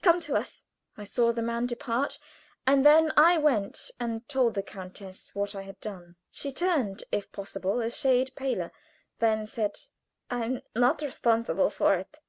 Come to us." I saw the man depart, and then I went and told the countess what I had done. She turned, if possible, a shade paler, then said: "I am not responsible for it."